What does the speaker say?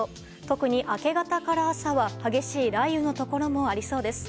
特に明け方から朝は、激しい雷雨のところもありそうです。